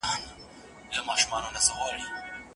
استاد له شاګرد سره علمي بحث کوي.